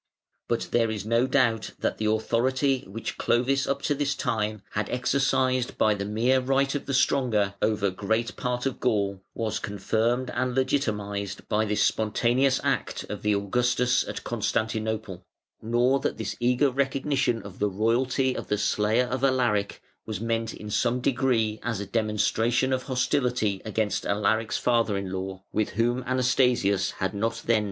But there is no doubt that the authority which Clovis up to this time had exercised by the mere right of the stronger, over great part of Gaul, was confirmed and legitimised by this spontaneous act of the Augustus at Constantinople, nor that this eager recognition of the royalty of the slayer of Alaric was meant in some degree as a demonstration of hostility against Alaric's father in law, with whom Anastasius had not then been reconciled.